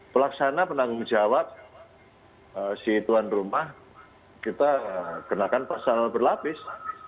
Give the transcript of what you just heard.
pelaksana penanggung jawab si tuan rumah kita kenakan pasal berlapis